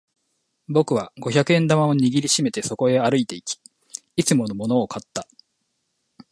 僕は五百円玉を握り締めてそこへ歩いていき、いつものものを買った。